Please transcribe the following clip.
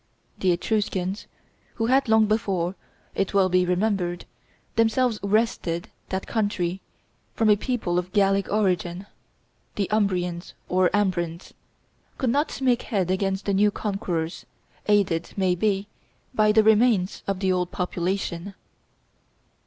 The Etruscans, who had long before, it will be remembered, themselves wrested that country from a people of Gallic origin, the Umbrians or Ambrons, could not make head against the new conquerors, aided, may be, by the remains of the old population.